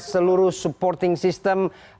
seluruh supporting system